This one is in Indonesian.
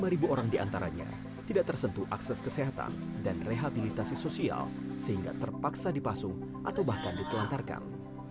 lima ribu orang diantaranya tidak tersentuh akses kesehatan dan rehabilitasi sosial sehingga terpaksa dipasung atau bahkan ditelantarkan